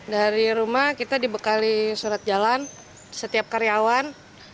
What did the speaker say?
dari rumah kita dibekali surat jalan setiap karyawan